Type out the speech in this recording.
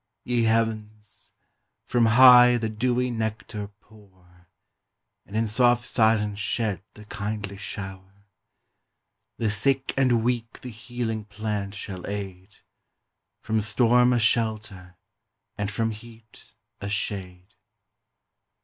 Ye Heavens! from high the dewy nectar pour, And in soft silence shed the kindly shower! The sick and weak the healing plant shall aid, From storm a shelter, and from heat a shade.